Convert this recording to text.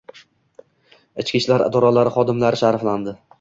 Ichki ishlar idoralari xodimlari sharaflanding